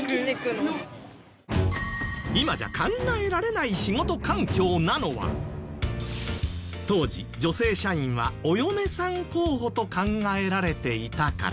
今じゃ考えられない仕事環境なのは当時女性社員はお嫁さん候補と考えられていたから。